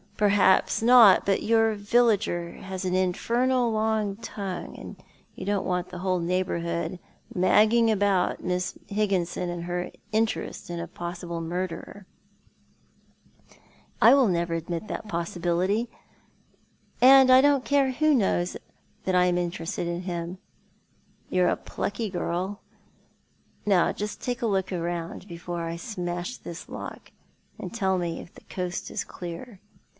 " Perhaps not, but your villager has an infernal long tongue, and you don't want the whole neighbourhood magging about Miss Higginson and her interest in a possible murderer," " I will never admit that possibility ; and I don't care who knows I am interested in him." " You're a plucky girl. Kow, just take a look round before I smash this lock, and tell me if the coast is clear."